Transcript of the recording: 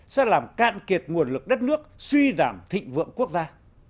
sẽ làm cạn kiệt nguồn lực đất nước suy giảm thịnh vượng quốc gia